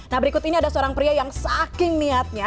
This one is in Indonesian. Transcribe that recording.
nah berikut ini ada seorang pria yang saking niatnya